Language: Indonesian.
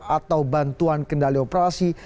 atau bantuan kendali operasi